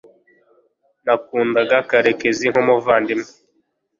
nakundaga karekezi nkumuvandimwe